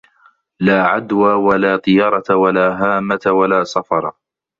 لَا عَدْوَى وَلَا طِيَرَةَ وَلَا هَامَةَ وَلَا صَفَرَ